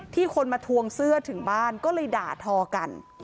คนมาทวงเสื้อถึงบ้านก็เลยด่าทอกัน